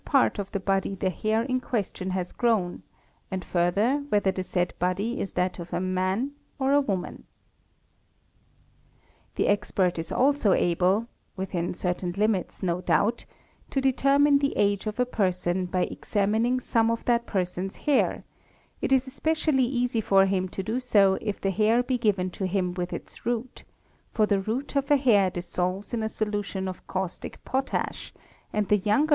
part of the body the hair in question has grown and further whether the said body is that _ of a man or a woman"), The expert is also able, within certain limits no doubt, to determine _ the age of a person by examining some of that person's hair; it is espe — cially easy for him to do so if the hair be given to him with its root, for _ the root of a hair dissolves in a solution of caustic potash, and the younger